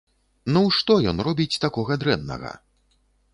Ну, што ён робіць такога дрэннага?